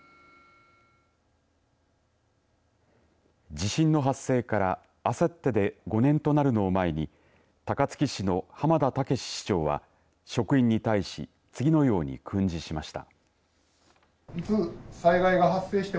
地震の発生からあさってで５年となるのを前に高槻市の濱田剛史市長は職員に対し次のように訓示しました。